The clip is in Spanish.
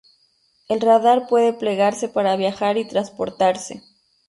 El radar puede plegarse para viajar y transportarse.